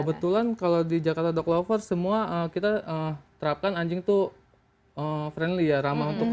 kebetulan kalau di jakarta dog lovers semua kita terapkan anjing tuh friendly ya ramah untuk